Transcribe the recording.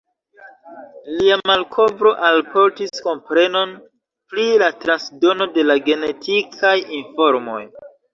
Lia malkovro alportis komprenon pri la transdono de la genetikaj informoj.